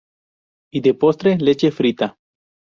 Y de postre leche frita.